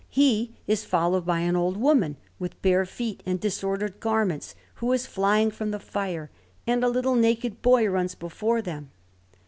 He is followed by an old woman with bare feet and disordered garments, who is flying from the fire; and a little naked boy runs before them.